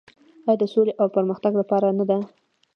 آیا د سولې او پرمختګ لپاره نه ده؟